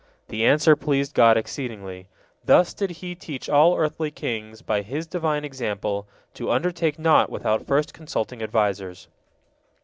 The answer pleased God exceedingly. Thus did He teach all earthly kings, by His Divine example, to undertake naught without first consulting advisers.